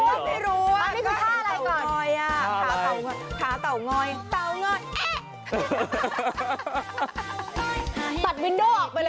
เขาเต้นท่านี่เหรอ